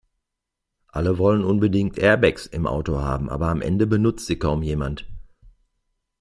Alle wollen unbedingt Airbags im Auto haben, aber am Ende benutzt sie kaum jemand.